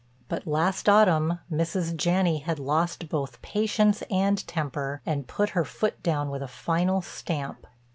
But last autumn Mrs. Janney had lost both patience and temper and put her foot down with a final stamp.